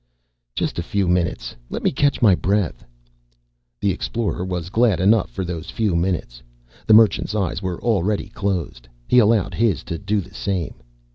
"Just a few minutes. Let me catch my breath." The Explorer was glad enough for those few minutes. The Merchant's eyes were already closed. He allowed his to do the same.